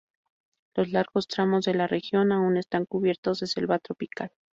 Los largos tramos de la región aún están cubiertos de selva tropical.